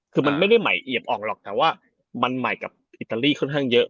คือมันไม่ได้น่าใหญ่เหยียบออกหรอกเนอะมันใหม่กับอิตาลีจะเยอะ